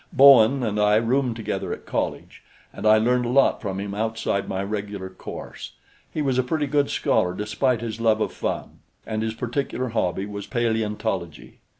Bowen and I roomed together at college, and I learned a lot from him outside my regular course. He was a pretty good scholar despite his love of fun, and his particular hobby was paleontology.